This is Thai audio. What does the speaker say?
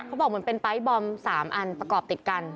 เขาบอกเหมือนเป็นไปร์ทบอม๓อันประกอบติดกัน